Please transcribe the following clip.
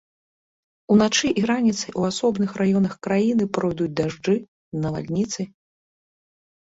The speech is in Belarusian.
Уначы і раніцай у асобных раёнах краіны пройдуць дажджы, навальніцы.